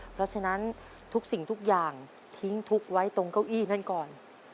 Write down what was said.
เพราะฉะนั้นทุกสิ่งทุกอย่างทิ้งทุกข์ไว้ตรงเก้าอี้นั่นก่อน